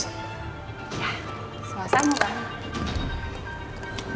ya suasana bang